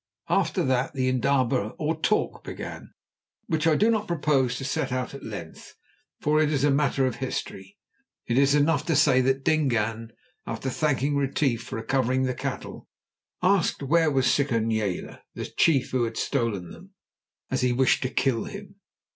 After that the indaba or talk began, which I do not propose to set out at length, for it is a matter of history. It is enough to say that Dingaan, after thanking Retief for recovering the cattle, asked where was Sikonyela, the chief who had stolen them, as he wished to kill him.